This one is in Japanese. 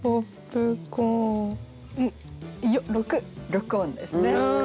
六音ですね。